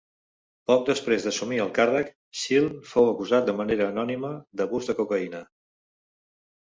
Poc després d'assumir el càrrec, Schill fou acusat de manera anònima d'abús de cocaïna.